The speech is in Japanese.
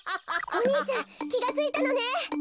お兄ちゃんきがついたのね。